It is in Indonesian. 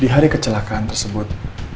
di hari kecelakaan tersebut